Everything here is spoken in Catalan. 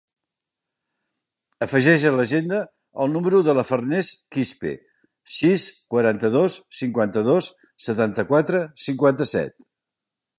Afegeix a l'agenda el número de la Farners Quispe: sis, quaranta-dos, cinquanta-dos, setanta-quatre, cinquanta-set.